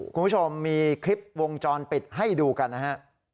คุณผู้ชมมีคลิปวงจรปิดให้ดูกันนะฮะ